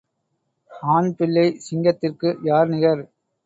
ஆண் பிள்ளைச் சிங்கத்திற்கு யார் நிகர்?